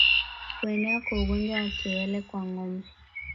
Kuenea kwa ugonjwa wa kiwele kwa ngombe